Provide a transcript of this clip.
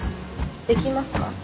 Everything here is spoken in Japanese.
できますか？